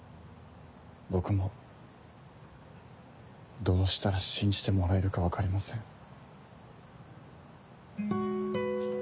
僕もどうしたら信じてもらえるか分かりません。